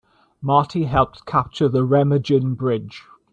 Marty helped capture the Remagen Bridge.